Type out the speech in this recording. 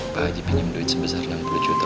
pak haji pinjam duit sebesar enam puluh juta